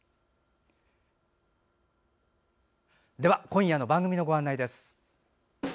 今夜の番組のご案内です。